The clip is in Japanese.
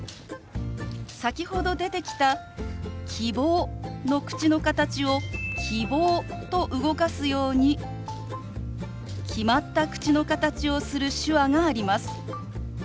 先ほど出てきた「希望」の口の形を「キボー」と動かすように決まった口の形をする手話があります。